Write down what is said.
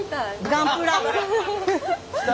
ガンプラ。